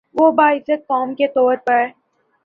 وہ باعزت قوم کے طور پہ